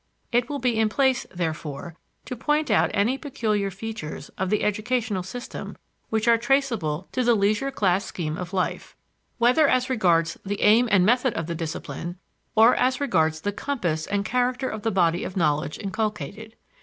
It will be in place, therefore, to point out any peculiar features of the educational system which are traceable to the leisure class scheme of life, whether as regards the aim and method of the discipline, or as regards the compass and character of the body of knowledge inculcated.